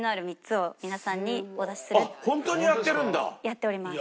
やっております。